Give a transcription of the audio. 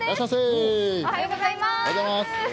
おはようございます。